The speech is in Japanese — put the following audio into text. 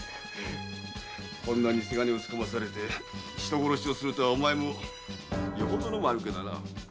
こんな偽金をつかまされて人殺しをするとはお前もよほどのマヌケだな。